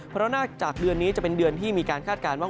เพราะนอกจากเดือนนี้จะเป็นเดือนที่มีการคาดการณ์ว่า